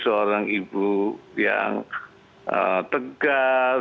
seorang ibu yang tegal